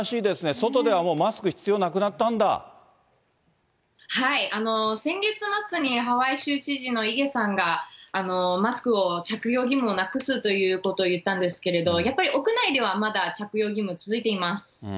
外ではもうマスク必要なくなったはい、先月末に、ハワイ州知事のイゲさんが、マスクの着用義務をなくすということを言ったんですけれど、やっぱり屋内ではまだ着用義務続いています。